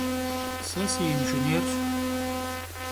Se sıinjjênêrş.